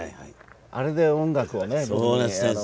あれで音楽をね。